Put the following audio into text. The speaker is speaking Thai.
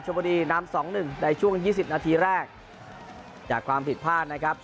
โชบดีน้ำ๒๑ในช่วง๒๐นาทีแรกจากความผิดพลาดนะครับ